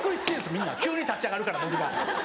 みんな急に立ち上がるから僕が。